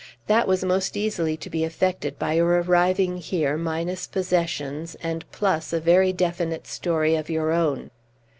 That was most easily to be effected by your arriving here minus possessions, and plus a very definite story of your own."